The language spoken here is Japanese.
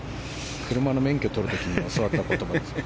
車の免許取る時に教わった言葉ですね。